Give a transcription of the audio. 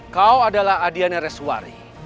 kau adalah adiana reswari